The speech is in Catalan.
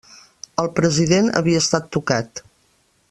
El president havia estat tocat.